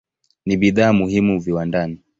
Ni bidhaa muhimu viwandani.